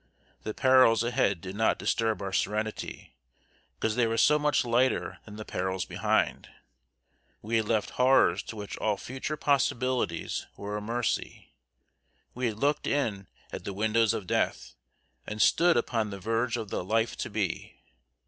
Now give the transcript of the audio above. The perils ahead did not disturb our serenity, because they were so much lighter than the perils behind. We had left horrors to which all future possibilities were a mercy. We had looked in at the windows of Death, and stood upon the verge of the Life To Be.